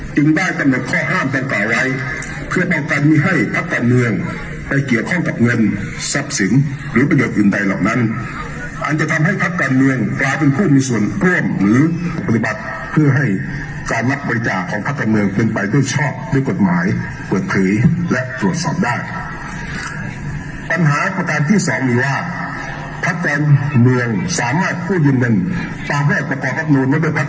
จึงได้กำหนดข้อห้ามการก่อไว้เพื่อเป็นการมีให้พักการเมืองไปเกี่ยวข้องกับเงินทรัพย์สินหรือประโยชน์อื่นใดเหล่านั้นอันจะทำให้พักการเมืองกลายเป็นผู้มีส่วนเพิ่มหรือบริบัติเพื่อให้การมักบริจาของพักการเมืองกึ่งไปด้วยชอบด้วยกฎหมายตรวจถือและตรวจสอบได้ปัญหาประการที่๒นี้ว่าพัก